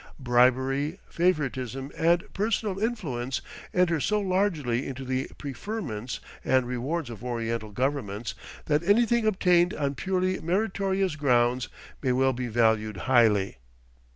Bribery, favoritism, and personal influence enter so largely into the preferments and rewards of Oriental governments, that anything obtained on purely meritorious grounds may well be valued highly.